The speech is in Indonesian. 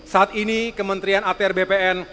saat ini kementerian atr bpn